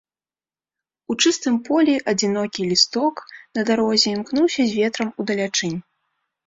У чыстым полі адзінокі лісток на дарозе імкнуўся з ветрам удалячынь.